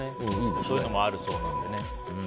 そういうのもあるそうなので。